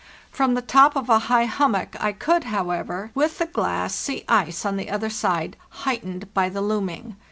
From the top of a high hummock I could, however, with the glass, see ice on the other side, heightened by the looming.